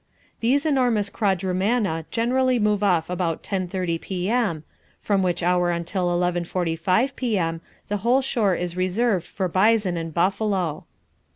These enormous quadrumana generally move off about 10.30 p.m., from which hour until 11.45 p.m. the whole shore is reserved for bison and buffalo.